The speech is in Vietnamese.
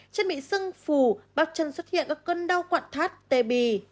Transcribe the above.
chân bị sưng phù bắp chân xuất hiện các cân đau quạn thát tê bì